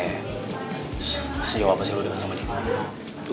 sejauh apa sih lo deket sama dia